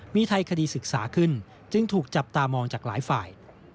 มีไทยคดีศึกษาขึ้นจึงถูกจับตามองจากหลายฝ่าย